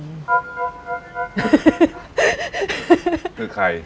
คือใคร